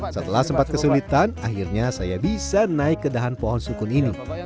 setelah sempat kesulitan akhirnya saya bisa naik ke dahan pohon sukun ini